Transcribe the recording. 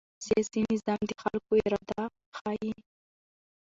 سیاسي نظام د خلکو اراده ښيي